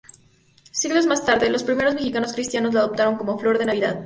Siglos más tarde, los primeros mexicanos cristianos la adoptaron como "Flor de Navidad".